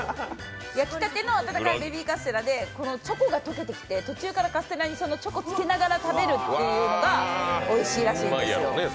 焼きたての温かいベビーカステラでチョコが溶けてきて途中からカステラにそのチョコをつけながら食べるのがおいしいらしいんですよ。